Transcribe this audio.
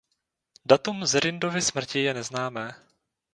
Datum Zerindovy smrti je neznámé.